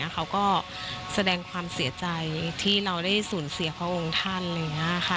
เขาก็แสดงความเสียใจที่เราได้สูญเสียพระองค์ท่านเลยนะคะ